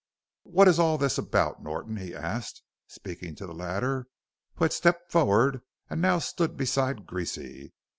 "What is all this about, Norton?" he asked, speaking to the latter, who had stepped forward and now stood beside Greasy.